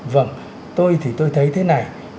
vâng tôi thì tôi thấy thế này